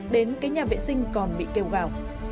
đến cái nhà vệ sinh còn bị kêu gạo